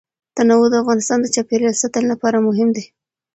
تنوع د افغانستان د چاپیریال ساتنې لپاره مهم دي.